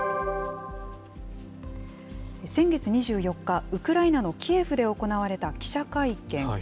先月２４日、ウクライナのキエフで行われた記者会見。